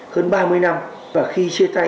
hơn ba mươi năm và khi chia tay